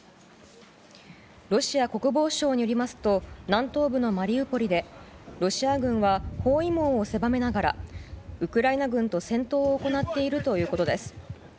ロシア国防省によりますと南東部のマリウポリでロシア軍は包囲網を狭めながらウクライナ軍と戦闘を行っているということです。